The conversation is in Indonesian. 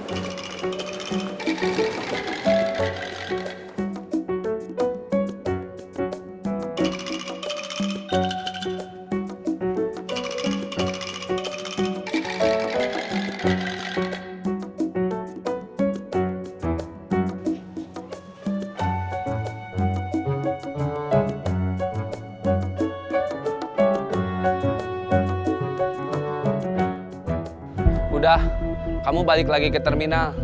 cek dipanggil kang cecep